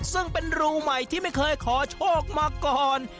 ซึ่งเป็นรูใหม่ที่ไม่เคยขอโชคมาก่อน